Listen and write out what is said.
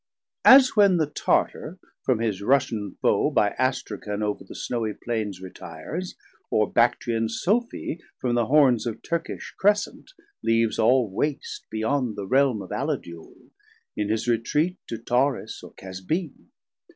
430 As when the Tartar from his Russian Foe By Astracan over the Snowie Plaines Retires, or Bactrian Sophi from the hornes Of Turkish Crescent, leaves all waste beyond The Realme of Aladule, in his retreate To Tauris or Casbeen.